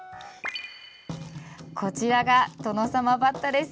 こちらがトノサマバッタです。